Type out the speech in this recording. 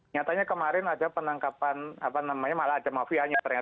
nyatanya kemarin ada penangkapan apa namanya malah ada mafianya ternyata